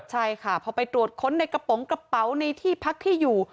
ใช่ค่ะพอไปตรวจค้นในกระโปรงกระเป๋าในที่พักที่อยู่